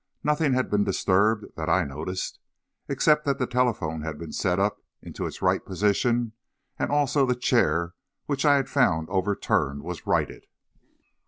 Nothing had been disturbed, that I noticed, except that the telephone had been set up in its right position, and also the chair which I had found overturned was righted.